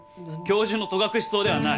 教授の戸隠草ではない！